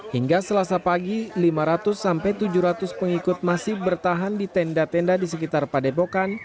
hingga selasa pagi lima ratus sampai tujuh ratus pengikut masih bertahan di tenda tenda di sekitar padepokan